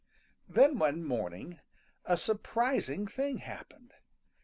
Then one morning a surprising thing happened.